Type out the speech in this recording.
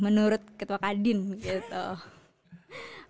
menurut ketua kadin gitu